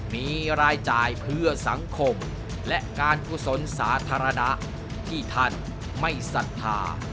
มีรายจ่ายเพื่อสังคมและการกุศลสาธารณะที่ท่านไม่ศรัทธา